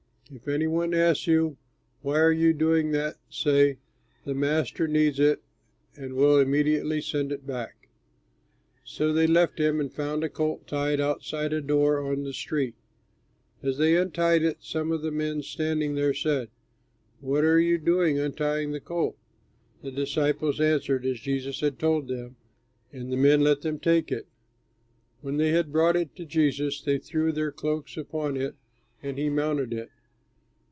If any one asks you, 'Why are you doing that?' say, 'The Master needs it and will immediately send it back.'" So they left him and found a colt tied, outside a door, on the street. As they untied it, some of the men standing there said, "What are you doing, untying the colt?" The disciples answered as Jesus had told them, and the men let them take it. When they had brought it to Jesus, they threw their cloaks upon it, and he mounted it.